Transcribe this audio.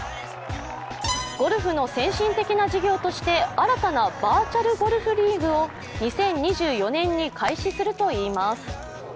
ゴルフの先進的な事業として新たなバーチャルゴルフリーグを２０２４年に開始するといいます。